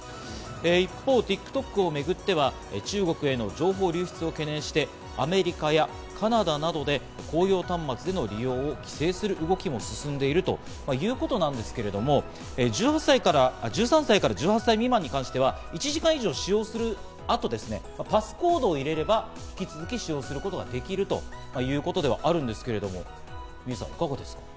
一方、ＴｉｋＴｏｋをめぐっては中国への情報流出を懸念してアメリカやカナダなどで、公用端末での利用を規制する動きも進んでいるということなんですけれども、１３歳から１８歳未満に関しては、１時間以上使用する後ですね、パスコードを入れれば引き続き使用することができるということではあるんですけど、望結さん、いかがですか？